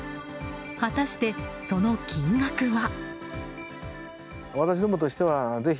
果たしてその金額は。